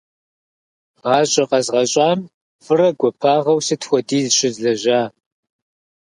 ГъащӀэ къэзгъэщӀам фӀырэ гуапагъэу сыт хуэдиз щызлэжьа?